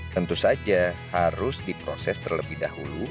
tentu saja harus diproses terlebih dahulu